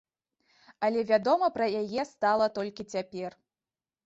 Але вядома пра яе стала толькі цяпер.